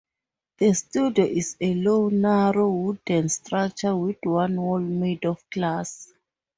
The studio is a low, narrow wooden structure with one wall made of glass.